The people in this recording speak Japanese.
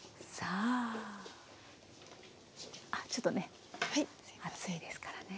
あっちょっとね熱いですからね。